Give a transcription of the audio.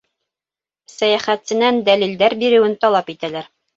Сәйәхәтсенән дәлилдәр биреүен талап итәләр.